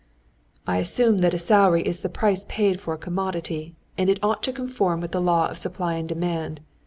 "I assume that a salary is the price paid for a commodity, and it ought to conform with the law of supply and demand.